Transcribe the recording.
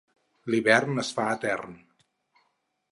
L'hivern es fa etern.